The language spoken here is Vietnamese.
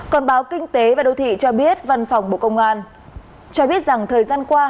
còn báo kinh tế và đô thị cho biết văn phòng bộ công an cho biết rằng thời gian qua